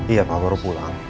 iya pa baru pulang